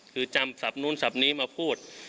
คือจำศัพท์นู้นศัพท์นี้มาพูด